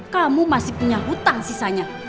kamu masih punya hutang sisanya